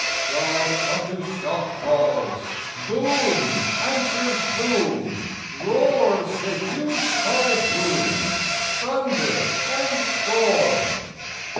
Shock unto shock calls, Boom answers boom, Roars the huge tide loom, Thunder and storm!